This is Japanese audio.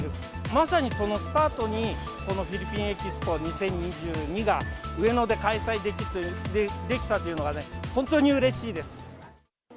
まさにそのスタートに、このフィリピンエキスポ２０２２が上野で開催できたというのがね、本当にうれしいです。